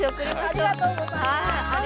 ありがとうございます！